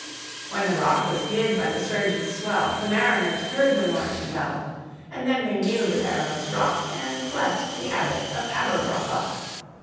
When the Rock was hid by the surge's swell, The mariners heard the warning Bell; And then they knew the perilous Rock, And blest the Abbot of Aberbrothok.